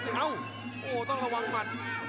เต้นอ้าวโอ้ต้องระวังมาน